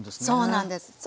そうなんです。